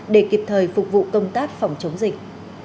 để kịp thời phục vụ công tác phòng chống dịch